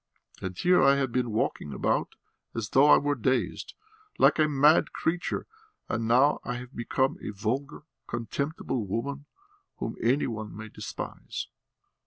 And here I have been walking about as though I were dazed, like a mad creature; ... and now I have become a vulgar, contemptible woman whom any one may despise."